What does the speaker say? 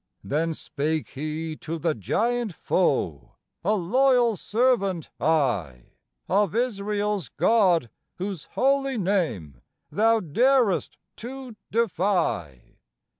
Then spake he to the giant foe: "A loyal servant I Of Israel's God, whose holy name thou darest to defy.